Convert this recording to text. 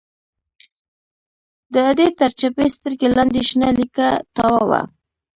د ادې تر چپې سترگې لاندې شنه ليکه تاوه وه.